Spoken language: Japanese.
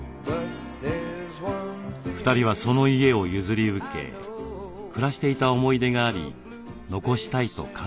２人はその家を譲り受け暮らしていた思い出があり残したいと考えていました。